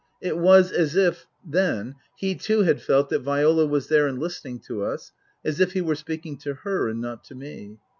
It was as if then he too had felt that Viola was there and listening to us, as if he were speaking to her and not to me.